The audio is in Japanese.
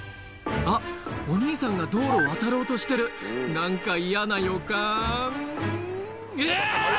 あっお兄さんが道路を渡ろうとしてる何か嫌な予感えぇ！